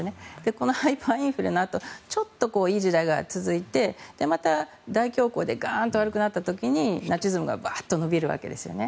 このハイパーインフレのあとちょっといい時代が続いてまた、大恐慌でガーンと悪くなった時にナチズムがバッと伸びるわけですね。